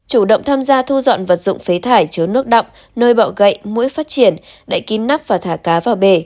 chủ động tham gia thu dọn vật dụng phế thải chứa nước đọng nơi bọ gậy mũi phát triển đậy kín nắp và thả cá vào bể